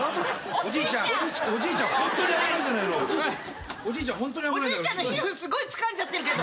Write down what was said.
おじいちゃんの皮膚すごいつかんじゃってるけど。